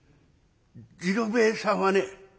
次郎兵衛さんはね